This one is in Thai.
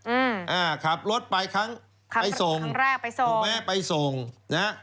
อืมอ่าขับรถไปครั้งครั้งแรกไปส่งไปส่งนะฮะ